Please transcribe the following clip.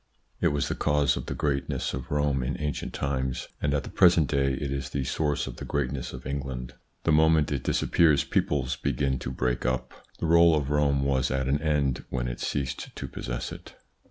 It was the cause of the greatness of Rome in ancient times, and at the present day it is the source of the greatness of England. The moment it disappears, peoples begin to break up, The role of Rome was at an end when it ceased to possess it.